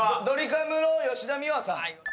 ドリカムの「吉田美和」さん。